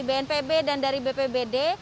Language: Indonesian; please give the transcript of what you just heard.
bnpb dan dari bpbd